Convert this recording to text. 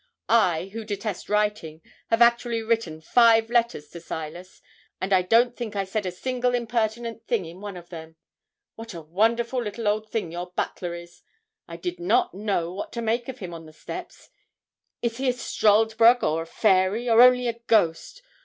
I, who detest writing, have actually written five letters to Silas; and I don't think I said a single impertinent thing in one of them! What a wonderful little old thing your butler is! I did not know what to make of him on the steps. Is he a struldbrug, or a fairy, or only a ghost?